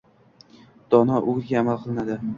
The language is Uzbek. Dono oʻgitga amal qilinadi.